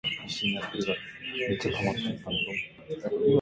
Gatu mansulín saca la garra y furta'l tocín.